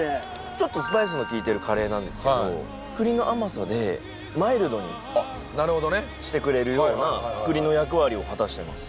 ちょっとスパイスのきいてるカレーなんですけど栗の甘さでマイルドにしてくれるような栗の役割を果たしてます